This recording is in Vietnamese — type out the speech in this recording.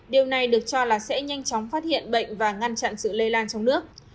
điều này được cho là sẽ nhanh chóng phát hiện bệnh và ngăn chặn sự lây lan trong nước